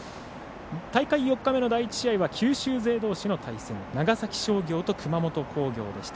大会４日目の第１試合は九州勢どうしの対戦長崎商業と熊本工業でした。